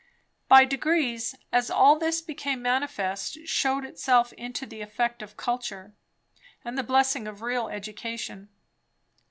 By degrees, as all this became manifest, shewed itself also the effect of culture, and the blessing of real education.